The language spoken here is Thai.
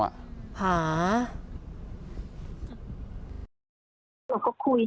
หนูก็คุยหนูก็อ่อนเขา